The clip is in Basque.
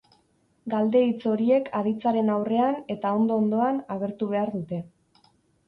Galde-hitz horiek aditzaren aurrean, eta ondo-ondoan, agertu behar dute.